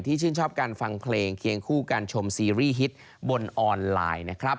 ชื่นชอบการฟังเพลงเคียงคู่การชมซีรีส์ฮิตบนออนไลน์นะครับ